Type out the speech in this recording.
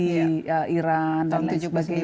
di iran dan lain sebagainya